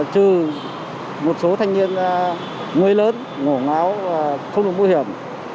trừ một số thanh niên nguôi lớn ngổ ngáo không được bụi hiểm